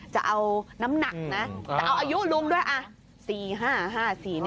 จะเอาน้ำหนักนะแต่เอาอายุลุงด้วย